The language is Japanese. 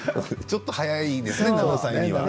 ちょっと早いですよね。